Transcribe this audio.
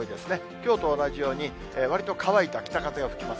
きょうと同じように、わりと乾いた北風が吹きます。